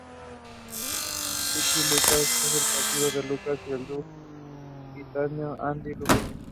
Pichi Lucas es el padrino de Lucas, del dúo gaditano Andy y Lucas.